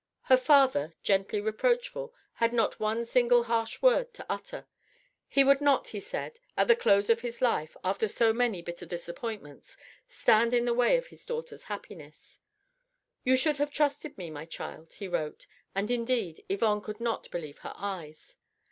Her father gently reproachful had not one single harsh word to utter. He would not, he said, at the close of his life, after so many bitter disappointments, stand in the way of his daughter's happiness: "You should have trusted me, my child," he wrote: and indeed Yvonne could not believe her eyes.